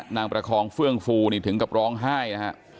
ประคองเฟื่องฟูนี่ถึงกับร้องไห้นะฮะ